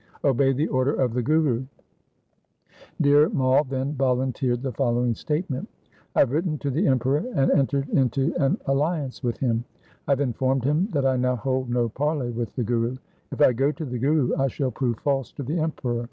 Obey the order of the Guru.' Dhir Mai then volunteered the following statement, ' I have written to the Emperor and entered into an alliance with him. I have informed him that I now hold no parley with the Guru. If I go to the Guru, I shall prove false to the Emperor.